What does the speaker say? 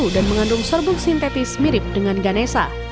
dan mengandung serbuk sintetis mirip dengan ganesa